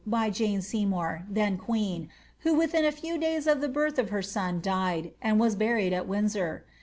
by Jane Seymour, then queen, who within a/ew days* of the birth of her son died, and was buried at Windsor.